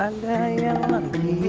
ada yang lebih